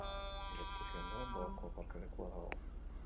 Geltoki ondoan doako aparkalekua dago.